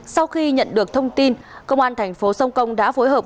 sau khi nhận được thông tin công an thành phố sông công đã phối hợp